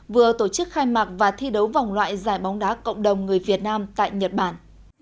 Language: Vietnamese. vừa tổ chức khai mạc và thi đấu vòng loại giải bóng đá cộng đồng người việt nam tại nhật bản